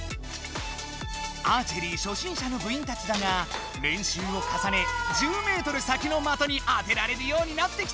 アーチェリー初心者の部員たちだがれんしゅうをかさね１０メートル先の的に当てられるようになってきた！